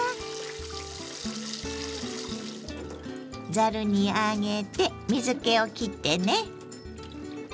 ざるに上げて水けをきってね。